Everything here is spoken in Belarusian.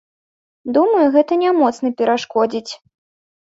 Думаю, гэта не моцна перашкодзіць.